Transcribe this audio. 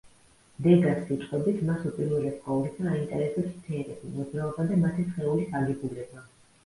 დეგას სიტყვებით მას უპირველეს ყოვლისა აინტერესებს ფერები, მოძრაობა და მათი სხეულის აგებულება.